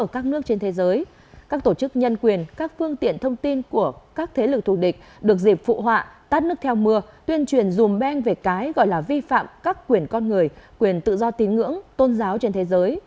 các tổ chức nhân quyền các phương tiện thông tin của các thế lực thù địch được dịp phụ họa tắt nước theo mưa tuyên truyền dùm men về cái gọi là vi phạm các quyền con người quyền tự do tín ngưỡng tôn giáo trên thế giới